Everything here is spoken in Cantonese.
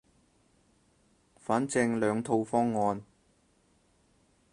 反正兩套方案